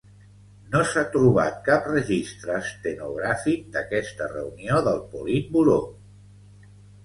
No s'ha trobat cap registre estenogràfic d'aquesta reunió del Politburó.